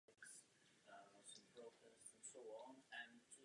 Ti do určité míry spolupracovali s řemeslníky a rolníky.